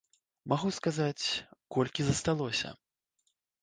Магу сказаць, колькі засталося.